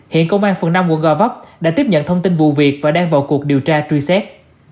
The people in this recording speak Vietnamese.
hiện công an phường năm quận gò vấp đã tiếp nhận thông tin vụ việc và đang vào cuộc điều tra truy xét